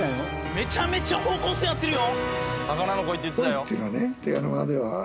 めちゃめちゃ方向性合ってるよ。